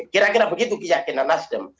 kira kira begitu keyakinan nasjid nabi